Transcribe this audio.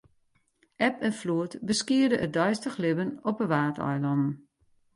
Eb en floed beskiede it deistich libben op de Waadeilannen.